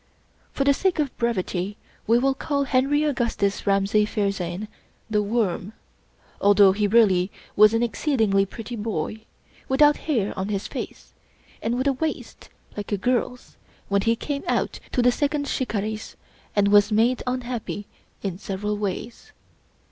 For the sake of brevity, we will call Henry Augustus Ramsay Faizanne, " The Worm," although he really was an exceedingly pretty boy, without a hair on his face, and with a waist like a girl's, when he came out to the Second " Shikarris " and was made unhappy in sev 36 Rudyard Kipling eral ways.